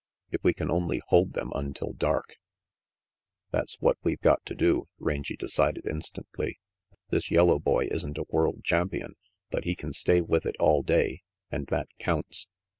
If we can only hold them until dark " That's what we've got to do," Rangy decided instantly. "This yellow boy isn't a world champion, but he can stay with it all day, and that counts.